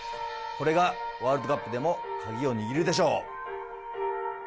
それがワールドカップでも鍵を握るでしょう。